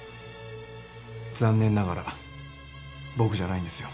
残念ながら僕じゃないんですよ。